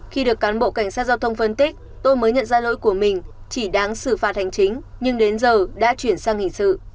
khi được cán bộ cảnh sát giao thông phân tích tôi mới nhận ra lỗi của mình chỉ đáng xử phạt hành chính nhưng đến giờ đã chuyển sang hình sự